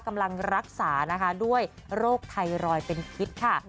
กำลังรักษานะคะด้วยโรคไทรอยด์เป็นพิษค่ะ